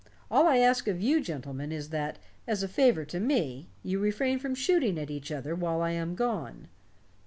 All I ask of you gentlemen is that, as a favor to me, you refrain from shooting at each other while I am gone.